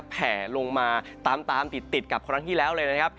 แผลลงมาตามติดกับครั้งที่แล้วเลยนะครับ